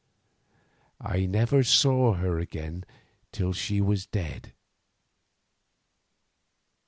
I never saw her again till she was dead.